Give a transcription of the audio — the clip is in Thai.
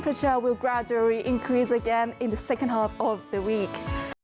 และว่าราวเตียงมีไม่กว่า๓๕เดือน